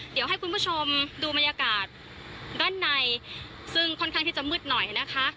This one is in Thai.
เดี๋ยวให้คุณผู้ชมดูบรรยากาศด้านในซึ่งค่อนข้างที่จะมืดหน่อยนะคะ